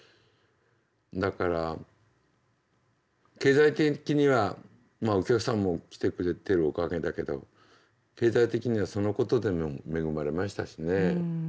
だから経済的にはお客さんも来てくれてるおかげだけど経済的にはそのことでも恵まれましたしね。